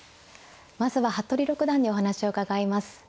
まずは服部六段にお話を伺います。